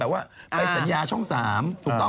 หลายบริษัท